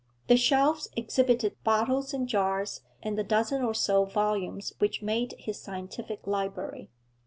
The shelves exhibited bottles and jars, and the dozen or so volumes which made his scientific library.